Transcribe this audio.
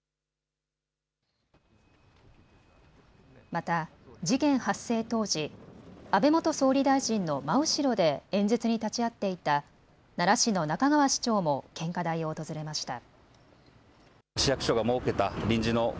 また、事件発生当時、安倍元総理大臣の真後ろで演説に立ち会っていた奈良市の仲川市長も献花台を訪れました。